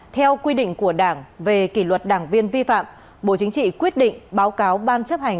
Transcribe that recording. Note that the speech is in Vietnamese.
theo quy định của đảng về kỷ luật đảng viên vi phạm bộ chính trị quyết định báo cáo ban chấp hành